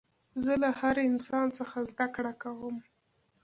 زه له هر انسان څخه زدکړه کوم.